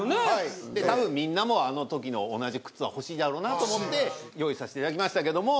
多分みんなもあの時の同じ靴が欲しいだろうなと思って用意させて頂きましたけども。